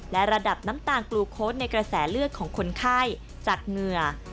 และระดับน้ำตาลกลูโค้ดในกระแสเลือดของคนไข้จากเหงื่อ